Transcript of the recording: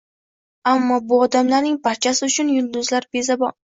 Ammo bu odamlarning barchasi uchun yulduzlar bezabon.